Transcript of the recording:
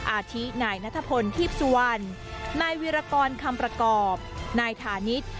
อาทินายนัทพลทีพสุวรรณนายวิรากรคำประกอบนายฐานิษฐ์